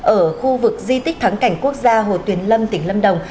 ở khu vực di tích thắng cảnh quốc gia hồ tuyền lâm tỉnh lâm đồng